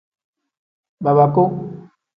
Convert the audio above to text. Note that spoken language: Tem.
Babaku.